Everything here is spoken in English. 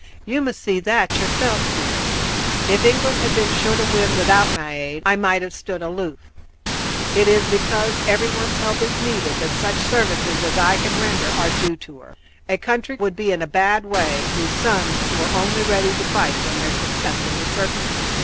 You must see that yourself, dear. If England had been sure to win without my aid, I might have stood aloof. It is because everyone's help is needed that such services as I can render are due to her. A country would be in a bad way whose sons were only ready to fight when their success was a certainty."